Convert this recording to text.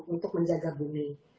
untuk menjaga bumi